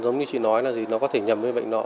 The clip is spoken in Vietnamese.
giống như chị nói là gì nó có thể nhầm với bệnh nọ